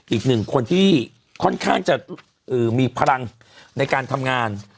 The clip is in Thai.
อีกหนึ่งคนที่ค่อนข้างจะมีพลังในการทำงาน